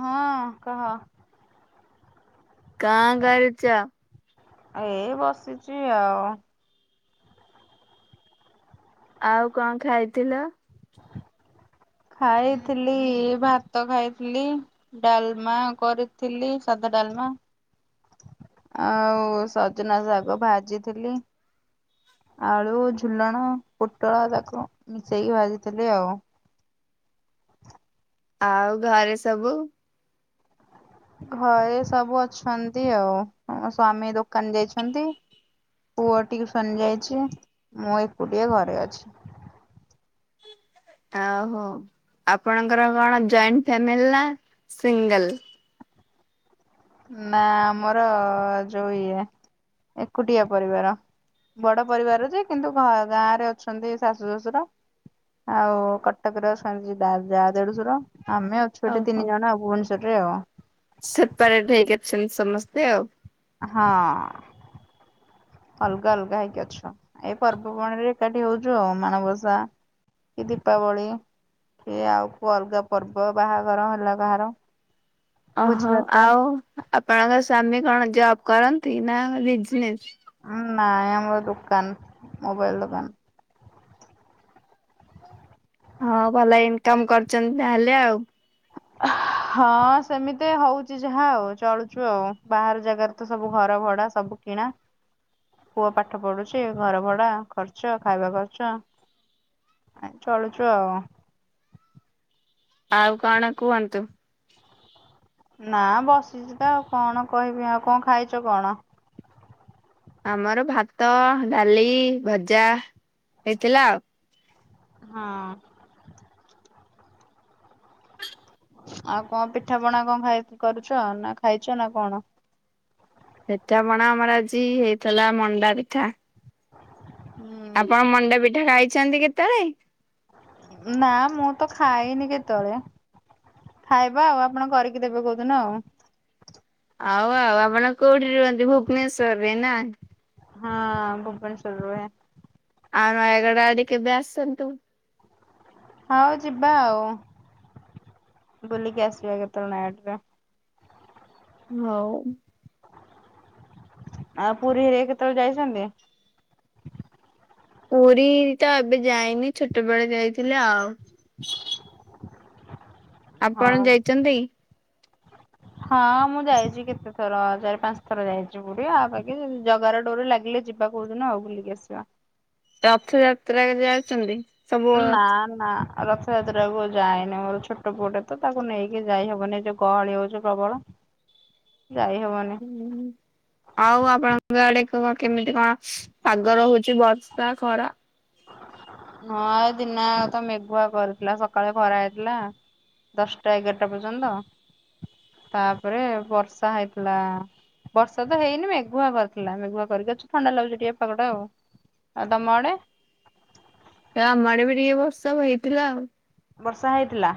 ହଁ କହ। କଣ କରୁଚ? ଏ ବସିଛି ଆଉ। ଆଉ କଣ ଖାଇଥିଲ? ଖାଇଥିଲି ଭାତ ଖାଇଥିଲି, ଡାଲମା କରିଥିଲି ସାଦା ଡ଼ାଲମା ହଁ ଆଉ ସଜନା ଶାଗ ଭାଜିଥିଲି। ଆଳୁ ଝୁଲଣ, ପୋଟଳ ତାକୁ ମିଶେଇକି ଭାଜିଥିଲି ଆଉ। ଆଉ ଘରେ ସବୁ ଘରେ ସବୁ ଅଛନ୍ତି ଆଉ ଆଉ ସ୍ଵାମୀ ଦୋକାନ ଯାଇଛନ୍ତି ପୁଅ ଟିଉସନ ଯାଇଛି ମୁଁ ଏକୁଟିଏ ଘରେ ଅଛି। ଆ ହୋ। ଆପଣଙ୍କର କଣ ଜଏଣ୍ଟ ଫାମିଲି ନା ସିଙ୍ଗଲ? ନା ଆମର ଯୋଉ ଇଏ ଏକୁଟିଆ ପରିବାର। ବଡ ପରିବାର ଯେ କିନ୍ତୁ ଗାଁ ରେ ଅଛନ୍ତି ଶାଶୁ ଶ୍ୱଶୁର ଆଉ କଟକ ରସ ଖଛି ଯା ଦେଢଶୁର ଆମେ ଆଉ ଛୁଆଟେ ତିନି ଜଣ ଆ ଭୁବନେଶ୍ୱରରେ ଆଉ। ସେପାରେ ଠ ଅଛନ୍ତି ସମସ୍ତେ ଆଉ। ହଁ। ଅଲଗା ଅଲଗା ହେଇକି ଅଛ ଏ ପର୍ବପଣିରେ ଏକାଠି ହଉଛୁ ଆଉ ମାଣବସା କି ଦୀପାବଳି କି ଆଉ ଅଲଗା ପର୍ବ ବାହାଘର ହେଲା କାହାର ଭୋଜି ଓହୋ ଭାତ ଆଉ ଆପଣଙ୍କ ସ୍ଵାମୀ କଣ ଜବ କରନ୍ତି ନା ବିଜନେସ୍? [inaudible] ନାଇଁ ଆମର ଦୋକାନ ମୋବାଇଲ ଦୋକାନ। ହଁ ଭଲ ଇନକମ କରିୁଛନ୍ତି ତାହେଲେ ଆଉ। ହଁ ସେମିତି ହଉଛି ଯାହା ଆଉ ଚଳୁଛୁ ଆଉ ବାହହାର ଜାଗାରେ ତ ସବୁ ଘର ଭଡା ସବୁ କିଣା ପୁଅ ପାଠ ପଢୁଛି ଘର ଭଡା ଖର୍ଚ ଖାଇବା ଖର୍ଚ। ଚଳୁଛୁ ଆଉ। ଆଉ କଣ କୁହନ୍ତୁ। ନା ବସିଛି ତ ଆଉ କଣ କହିବି ଆଉ କଣ ଖାଇଛ କଣ। ଆମର ଭାତ ଡାଲି ଭଜା ହେଇଥିଲା ଆଉ। ହଁ। ଆଉ କଣ ପିଠା ପଣା କଣ ଖାଇ କରୁଛ ନା ଖାଇଛ ନା କଣ। ସେଟାପଣା ଆମର ଆଜି ହେଇଥିଲା ମଣ୍ଡା ପିଠା। ଆପଣ ମଣ୍ଡପିଠା ଖାଇଛନ୍ତି କେତେବେଳେ। ନା ମୁଁ ତ ଖାଇନି କେତେବେଳେ। ଖାଇବା ଆଉ ଆପଣ କରିକି ଦେବେ କୋଉଦୁନ ଆଉ। ଆଉ ଆଉ ଆପଣ କୋଉଠି ରୁହନ୍ତି ଭୁବ୍ନେଶ୍ଵର ରେ ନା। ହଁ ଭୁବନେଶ୍ୱର ରୁହେ। ଆଉ ନୟଗଡ ଆଡ କେବେ ଆସନ୍ତୁ। ହଉ ଯିବା ଆଉ ବୁଲିକି ଆସିବା କେତେବେଳେ ନାୟାଗଡରେ। ହଉ। ଆଉ ପୁରୀରେ କେତେବେଳେ ଯାଇଛନ୍ତି। ପୁରୀ ତ ଏବେ ଯାଇନି ଛୋଟବେଳେ ଯାଇଥିଲେ ଆଉ। ଆପଣ ହଁ। ଯାଇଛନ୍ତି। ହଁ ମୁଁ ଯାଇଛି କେତେ ଥର ଚାରି ପାଞ୍ଚ ଥର ଯାଇଛି ପୁରୀ ଆଉ ବାକି ଜଗାର ଡୋରି ଲାଗିଲେ ଯିବ। ଯିବା କୋଉଦୁନ ଆଉ ବୁଲିକି ଆସିବା। ରଥଯାତ୍ରା ଯାଉଛନ୍ତି। ସବୁ ନା ନା। ଉ ରଥଯାତ୍ରା କଉ ଯାଏନି ମୋ ଛୋଟ ପୁଟେ ତ ତାକୁ ନେଇକି ଯାଇହବନି ଏ ଯୋଉ ଗହଳି ହଉଛି ପ୍ରବଳ। ଯାଇ ହବନି ହୁଁ ଆଉ ଆପଣଙ୍କ ଆଡେ କେମିତି କଣ। ପାଗ ରହୁଉଛି ବର୍ଷା ଖରା। ହଁ ଦିନ ତ ମେଘୁଆ କରିଥିଲା ସକାଳେ ଖରା ହେଇଥିଲା। ଦଶ୍ଟା ଏଗାରଟା ପର୍ଯ୍ୟନ୍ତ ତାପରେ ବର୍ଷା ହେଇଥିଲା। ବର୍ଷା ତ ହେଇନି ମେଘୁଆ କରିଥିଲା ମେଘୁଆ କରିକି ଅଛୁ ଥଣ୍ଡା ଲାଗୁଛି ଟିକେ ପାଗଟା ଆଉ। ଆଉ ତମ ଆଡେ। ଏ ଆମ ଆଡେ ବି ଟିକେ ବର୍ଷ ହେଇଥିଲା ଆଉ। ବର୍ଷା ହେଇଥିଲା।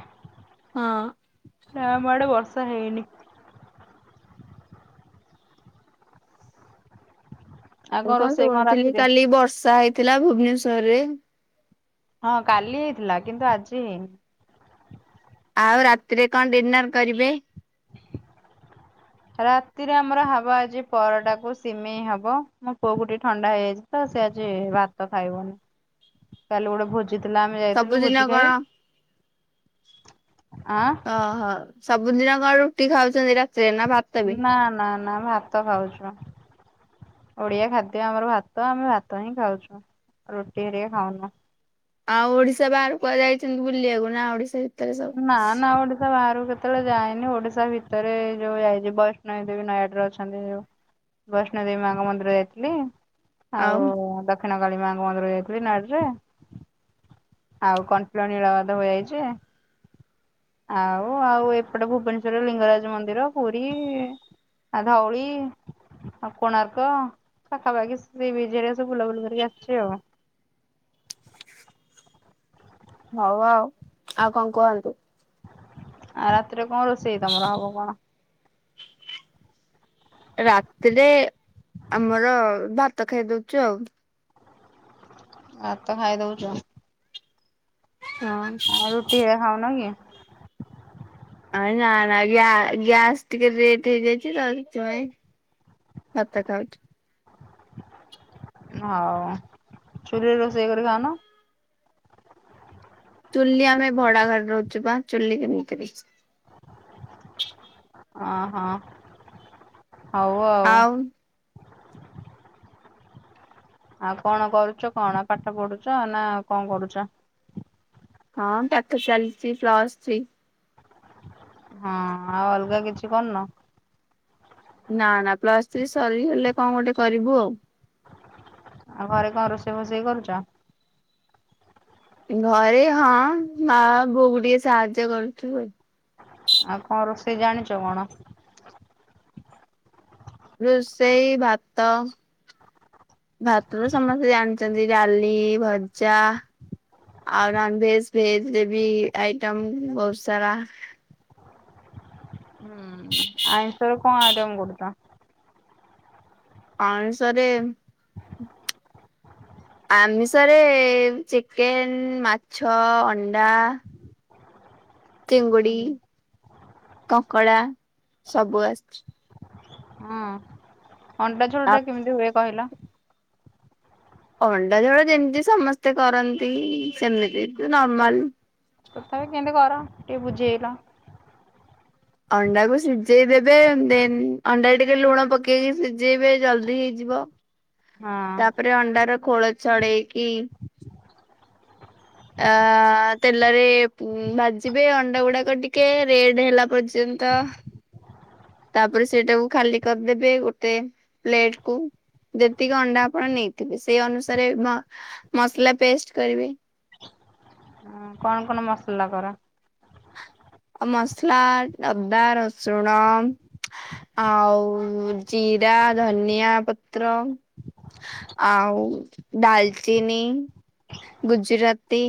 ହଁ। ନା ଆମ ଆଡେ ବର୍ଷା ହେଇନି। ଆଉ ମୁଁ କଣ ରୋଷେଇ ଶୁଣୁଥିଲି ରାତିରେ କାଲି ବର୍ଷା ହେଇଥିଲା ଭୁବନେଶ୍ଵର ରେ। ହଁ କାଲି ହେଇଥିଲା କିନ୍ତୁ ଆଜି ହେଇନି। ଆଉ ରାତିରେ କଣ ଡିନର୍ କରିବେ। ରାତିରେ ଆମର ହବ ଆଜି ପରଟାକୁ ସିମେଇ ହବ ମୋ ପୁଅ କୁ ଟିକେ ଥଣ୍ଡା ହେଇଯାଇଛି ତ। ସେ ଆଜି ଭାତ ଖାଇବନି କାଲି ଗୋଟେ ଭୋ ଭଜିଥିଲା ଆମେ ଯାଇଥିଲୁ ସବୁଦିନ ଭୋଜି ଖାଇ କଣ ଆଁ। ଓହୋ ସବୁଦିନ କଣ ରୁଟି ଖାଉଛନ୍ତି ରା ନା ନା ନା ଭାତ ଖାଉଚୁ। ଓଡିଆ ଖାଦ୍ୟ ଆମର ଭାତ ଆମେ ଭାତ ହିଁ ଖାଉଛୁ। ରୁଟି ହରିକା ଖାଉନୁ। ଆଉ ଓଡିଶା ବାହାର କୁହାଯାଇଛନ୍ତି ବୁଲିବାକୁ ନା ଓଡିଶା ଭି ନା ନା ଓଡିସା ବାହାରକୁ। କେତେବେଳେ ଯାଇନି ଓଡିଶା ଭିତରେ ଯୋଉ ଯଇଛି ବୈଷ୍ଣବୀ ଦେବୀ ନୟାଗଡ ରେ ଅଛନ୍ତି ଯୋଉ। ବୈଷ୍ଣ ଦେବୀ ମାଙ୍କ ମନ୍ଦିର ଯାଇଥିଲି ଆଉ ଦ ଦକ୍ଷିଣ କାଳୀ ମାଙ୍କ ମନ୍ଦର ଯାଇଥିଲି ନୟାଗଡ଼ରେ। ଆଉ କଣ୍ଟିଲୋ ନୀଳମାଧବ ଯାଇଚି। ଆଉ ଆଉ ଏପଟେ ଭୁବନେଶ୍ଵରରେ ଲିଙ୍ଗରାଜ ମନ୍ଦିର ପୁରୀ ଇଇ ଆ ଧଉଳି ଆଉ କୋଣାର୍କ ପାଖାପାଖି ସେ ସି ବିଚ୍ ହେରିକା ସବୁ ବୁଲାବୁଲି କରିକି ଆସିଛି ଆଉ। ହଉ ଆଉ ଆଉ କଣ କୁହନ୍ତୁ? ଆ ରାତିରେ କଣ ରୋଷେଇ ତମର ହବ କଣ? ରାତିରେ ଆମର ଭାତ ଖାଇ ଦଉଛୁ ଆଉ। ଭାତ ଖାଇ ଦଉଛ। ହଁ। ଆଉ ରୁଟି ହେକା ଖାଉନ କି? ନା ନା ଗ୍ୟା ଗ୍ୟାସ ଟିକେ ରେଟ ହେଇଯାଇଛି ସେଥିପାଇଁ ଭାତ ଖାଉଛୁ। ହଉ, ଚୁଲିରେ ରୋଷେଇ କରି ଖାଉନ? ଚୁଲି, ଆମେ ଭଡା ଘରେ ରହୁଛୁ ପା ଚୁଲି କେମିତିରେ ଅଁ ହଁ ହଉ ଆଉ। ଆଉ କଣ କରୁଛ କଣ? କଣ ପାଠ ପଢୁଛ? ନା କଣ କରୁଛ? ହଁ ପାଠ ଚାଲିଛି ପ୍ଲସ୍ ଥ୍ରୀ। ହଁ ଆଉ ଅଲଗା କିଛି କରୁନ? ନା ନା ପ୍ଲସ ଥ୍ରୀ ସରି ଗଲେ କଣ ଗୋଟେ କରିବୁ ଆଉ। ଆଉ ଘରେ କଣ ରୋଷେଇ ଫୋଷେଇ କରୁଛ? ଘରେ, ହଁ ମା ବୋଉକୁ ଟିକେ ସାହାଯ୍ୟ କରୁଛୁ। ଆଉ କଣ ରୋଷେଇ ଜାଣିଛ କଣ? ରୋଷେଇ, ଭାତ ଭାତ ତ ସମସ୍ତେ ଜାଣିଛନ୍ତି। ଡାଲି, ଭଜା। ଆଉ ନନ୍ ଭେଜ ଭେଜ୍ ରେ ବି ଆଇଟମ ବହୁତ ସାରା। ହୁଁ ଆଇଁଷ ରେ କଣ ଆଇଟମ୍ କରୁଛ? ଆଇଁଷ ରେ ଆମିଷରେ ଚିକେନ୍, ମାଛ, ଅଣ୍ଡା। ଚିଙ୍ଗୁଡି, ହୁଁ କଙ୍କଡ଼ା ସବୁ ଆସିଛି। ହୁଁ ଅଣ୍ଡା ଝୋଳଟା କେମିତି ହୁଏ କହିଲ? ଅଣ୍ଡା ଝୋଳ ଯେମିତି ସମସ୍ତେ କରନ୍ତି, ସେମିତି ନର୍ମାଲ୍। ତଥାପି କେମିତି କର ଟିକେ ବୁଝେଇଲ? ଅଣ୍ଡାକୁ ସିଝେଇ ଦେବେ ଦେନ୍ ଅଣ୍ଡା ଟିକେ ଲୁଣ ପକେଇକି ସିଜେଇବେ ଜଲଦି ହେଇଯିବ। ହଁ ତାପରେ ଅଣ୍ଡାର ଖୋଳ ଛଡେଇକି ଅଁ ତେଲରେ ପୁଁ ଭାଜିବେ ଅଣ୍ଡା ଗୁଡାକ ଟିକେ ରେଡ ହେଲା ପର୍ଯ୍ୟନ୍ ତଃ ତାପରେ ସେଇଟାକୁ ଖାଲି କରିଦେବେ ଗୋଟେ ପ୍ଲେଟ୍ କୁ। ଯେତିକି ଅଣ୍ଡା ଆପଣ ନେଇଥିବେ, ସେଇ ଅନୁସାରେ ମ ମସଲା ପେଷ୍ଟ କରିବେ। ହଁ କଣ କଣ ମସଲା କର? ଅ ମସଲା ଅଦା, ରସୁଣ ଆଉ ଜିରା, ଧନିଆ ପତ୍ର ଆଉ ଡାଲ୍ ଚିନି ଗୁଜୁରାତି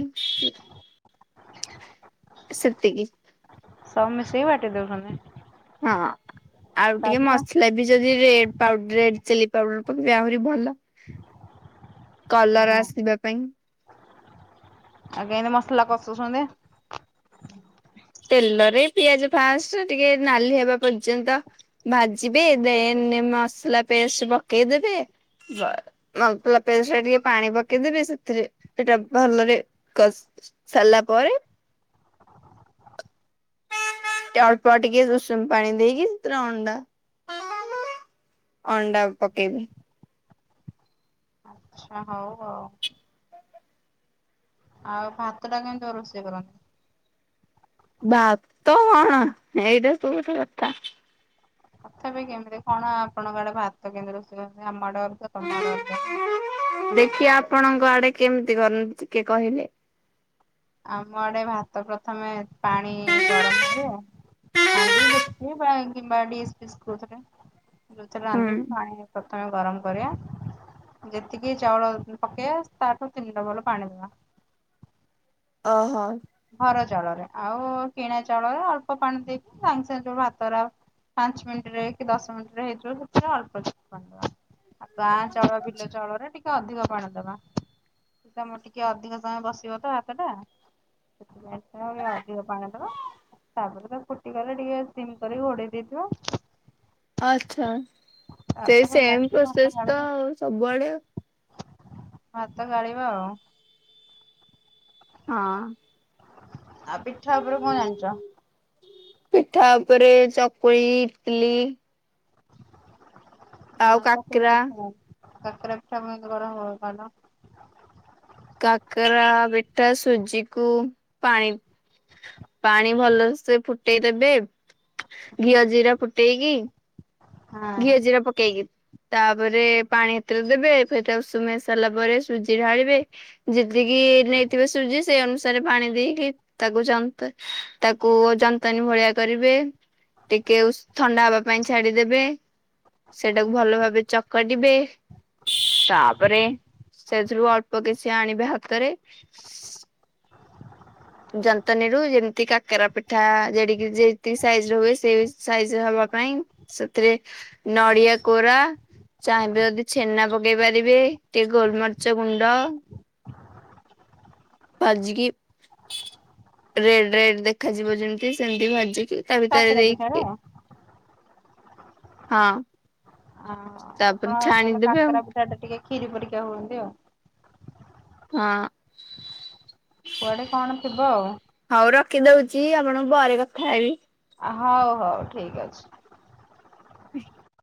ସେତିକି ସବୁ ମିଶେଇ ବାଟି ଦେଉଛନ୍ତି। ହଁ ଆଉ ଟିକେ ମସଲା ବି ଯଦି ରେବ୍ ପାଉଡ୍ରେଟ୍ ଚିଲି ପାଉଡର ପକେଇଲେ ଆହୁରି ଭଲ। ହଁ କଲର୍ ଆସିବା ପାଇଁ। ଆଉ କେମିତି ମସଲା କସୁଛନ୍ତି? ତେଲରେ ପିଆଜ ଫାଷ୍ଟ ଟିକେ ନାଲି ହେବା ପର୍ଯ୍ୟନ୍ତ ଭାଜିବେ। ଦେ ନେ ମସଲା ପେଷ୍ଟ ପକେଇ ଦେବେ। ବାସ ମସଲା ପେଷ୍ଟରେ ଟିକେ ପାଣି ପକେଇଦେବେ। ସେଥିରେ ସେଟା ଭଲରେ କସ୍ ସାରଲା ପରେ ଅଳ୍ପଟିକେ ଉଷୁମ ପାଣି ଦେଇକି ସେଥିରେ ଅଣ୍ଡା ଅଣ୍ଡା ପକେଇବି। ଛା ହୋଉ ହୋଉ। ଆଉ ଭାତଟା କେମିତି ରୋଷେଇ କରନ୍ତି? ଭାତ କଣ ଏଇଟା ସବୁ ସେଇ ବାର୍ଟା। ତଥାପି କେମିତି କଣ ଆପଣଙ୍କ ଆଡେ ଭାତ କେମିତି ରୋଷେଇ କରନ୍ତି ଆମ ଆଡେ ଅଲଗା ତମ ଆଡ଼େ ଅଲଗା। ଦେଖି ଆପଣଙ୍କ ଆଡେ କେମିତି କରନ୍ତି ଟିକେ କହିଲେ? ଆମ ଆଡେ ଭାତ ପ୍ରଥମେ ପାଣି ଗରମ ହୁଏ। ହାଣ୍ଡି ଡେକ୍ଚି ବା ଗିମ୍ୱା ଦିସ୍ ଫିସ କୋଉଥିରେ ଯେଉଥିରେ ହୁଁ। ରାନ୍ଧିବେ ପାଣି ପ୍ରଥମେ ଗରମ କରିବା। ଯେତିକି ଚାଉଳ ପକେଇବା ତାଠୁ ତିନି ଡବଲ୍ ପାଣି ଦେବା। ଅହୋ। ର ଚାଉଳରେ ଆଉ କିଣା ଚାଉଳରେ ଅଳ୍ପ ପାଣି ଦେଇକି ସାଙ୍ଗେ ସାଙ୍ଗେ ଯୋଉ ଭାତଉରା ପାଞ୍ଚ ମିନିଟ ରେ କି ଦଶ ମିନିଟ ରେ ହେଇଯିବ ସେଥିରେ ଅଳ୍ପ [unintelligible] ଆଉ ଗାଁ ଚାଉଳ ବିଲ ଚାଉଳରେ ଟିକେ ଅଧିକ ପାଣି ଦବା ତମ ଟିକେ ଅଧିକ ସମୟ ବସିବ ତ ଭାତଟା। ସେଥିପାଇଁ ତ ଅଧିକ ପାଣି ଦବ। ତାପରେ ତା ଫୁଟି ଗଲେ ଟିକେ ସିମ କରିକି ଘୋଡେଇ ଦେଇଥିବ। ଆଛା ସେଇ ହେଲା ସେମ ଭାତ ପ୍ପ୍ରୋସେସ ତ ଗାଳିବା ସବୁଆଡେ ଆଉ। ଭାତ ଗାଳିବ ଆଉ। ହଁ। ଆଉ ପିଠା ଉପରେ କଣ ଜାଣିଚ? ପିଠା ଉପରେ ଚକୁଳି, ଇଟଲିି ଆଉ ଚକୁଳି କାକରା ପିଠା ଆଉ କାକରା ପିଠା କେମିତି କରାହୁଏ କହିଲ? କାକରା ପିଠା ସୁଜିକୁ ପାଣି ପାଣି ଭଲସେ ଫୁଟେଇ ଦେବେ ଘିଅ ଜିରା ଫୁଟେଇକି ଘିଅ ଜୀରା ପକେଇକି। ତାପରେ ପାଣି ଏଥିରେ ଦେବେ ସେଟ ଉଷୁମାଇ ସାରିଲା ପରେ ସୁଜି ଢାଳିବେ ଯେତିକି କି ନେଇଥିବେ ସୁଜି ସେଇ ଅନୁସାରେ ପାଣି ଦେଇକି ତାକୁ ଯନ୍ତ ତାକୁ ଯନ୍ତନୀ ଭ ସେୟା କରିବେ ଟିକେ ଉଶ୍ ଥଣ୍ଡା ହବା ପାଇଁ ଛାଡିଦେବେ। ସେଟାକୁ ଭଲ ଭାବେ ଚକଟିବେ ତାପରେ ସେଥିରୁ ଅଳ୍ପ କିଛି ଆଣିବା ହାତରେ ଯନ୍ତନୀରୁୁ ଯେମିତି କାକେରା ପିଠା ଜେଡିକି ଯେତିକି ସାଇଜର ହୁଏ ସେଇ ସାଇଜ ହବା ପାଇଁ ସେଥିରେ ନଡିଆ କୋରା ଚାହିଁବେ ଯଦି ଛେନା ପକେଇ ପାରିବେ ଟିକେ ଗୋଲମରିଚ ଗୁଣ୍ଡ। ଭାଜିକି ରେଡ ରେଡ ଦେଖାଯିବ ଯେମିତି ସେମିତି ଭାଜିକି ତାଭିତରେ କାକରା ପିଠାରେ ଦେଇକି ଆ ହଁ। ଓ ତାପରେ ଆପଙ୍କର ତାହାଲେ ଛାଣିଦେବେ ଆଉ କାକରା ପିଠା ଟା ଟିକେ କ୍ଷିରି ପରିକ୍ଷା ହୁଅନ୍ତି ଆଉ। ହଁ। କୁଆଡେ କଣ ଥିବ ଆଉ। ଟିକେ ରୋହୁଚି ଆପଣଙ୍କୁ ପରେ କଥା ହେବି। ଆ ହୋଉ ହୋଉ ଠିକ୍ ଅଛି। [inaudible]